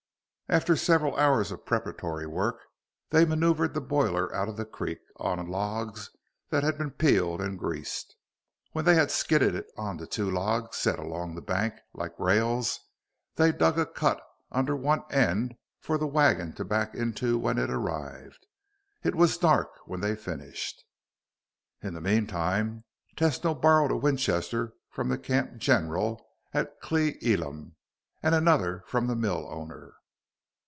After several hours of preparatory work, they maneuvered the boiler out of the creek on logs that had been peeled and greased. When they had skidded it onto two logs set along the bank like rails, they dug a cut under one end of these for the wagon to back into when it arrived. It was dark when they finished. In the meantime, Tesno borrowed a Winchester from the camp 'general' at Cle Elum and another from the mill owner.